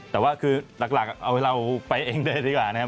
แต่ว่าคือหลักเอาให้เราไปเองเลยดีกว่านะครับ